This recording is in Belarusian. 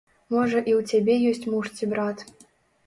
Можа і ў цябе ёсць муж ці брат.